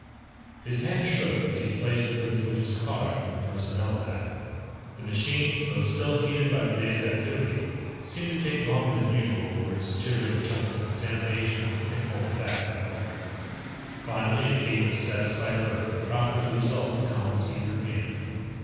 His hand shook as he placed Grimswitch's card into the Personnelovac. The machine, though still heated by the day's activity, seemed to take longer than usual for its chittering, chuckling examination of the pin holed facts on the record. Finally, it gave a satisfied burp and proffered the result to Colihan's eager hand.